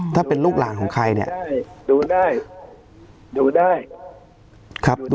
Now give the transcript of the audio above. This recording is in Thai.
ถ้าเป็นลูกหลานของใครเนี่ย